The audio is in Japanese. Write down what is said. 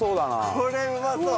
これうまそう。